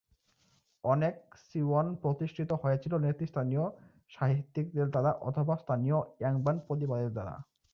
অনেক সিওয়ন প্রতিষ্ঠিত হয়েছিল নেতৃস্থানীয় সাহিত্যিকদের দ্বারা অথবা স্থানীয় ইয়াংবান পরিবারের দ্বারা।